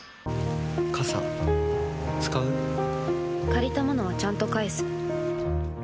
借りたものはちゃんと返す。